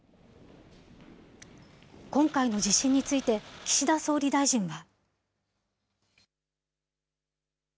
今回の地震について、岸田総理大臣は。